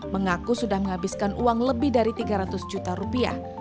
mengaku sudah menghabiskan uang lebih dari tiga ratus juta rupiah